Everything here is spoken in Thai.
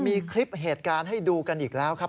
มีคลิปเหตุการณ์ให้ดูกันอีกแล้วครับ